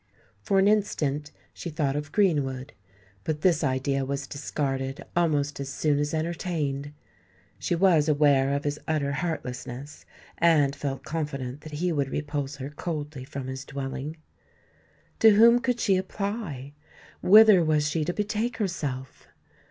For an instant she thought of Greenwood; but this idea was discarded almost as soon as entertained. She was aware of his utter heartlessness, and felt confident that he would repulse her coldly from his dwelling. To whom could she apply? whither was she to betake herself?